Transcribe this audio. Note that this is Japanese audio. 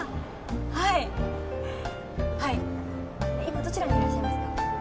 はいはい今どちらにいらっしゃいますか？